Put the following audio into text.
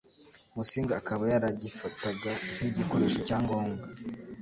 Musinga akaba yaragifataga nk'igikoresho cya ngombwa